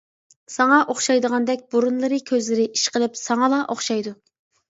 -ساڭا ئوخشايدىغاندەك، بۇرۇنلىرى، كۆزلىرى، ئىشقىلىپ ساڭىلا ئوخشايدۇ.